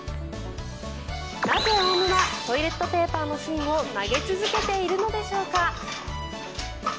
なぜオウムはトイレットペーパーの芯を投げ続けているのでしょうか。